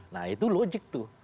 nah itu logik tuh